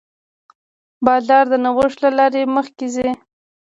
بازار د نوښت له لارې مخکې ځي.